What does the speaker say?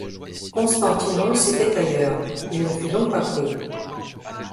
Konstantínos était ailleurs, il ne fut donc pas pris.